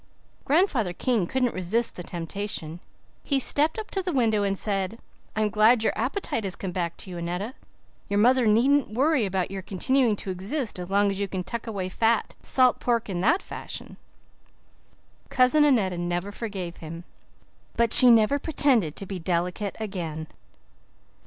Grandfather King couldn't resist the temptation. He stepped up to the window and said, 'I'm glad your appetite has come back to you, Annetta. Your mother needn't worry about your continuing to exist as long as you can tuck away fat, salt pork in that fashion.' "Cousin Annetta never forgave him, but she never pretended to be delicate again."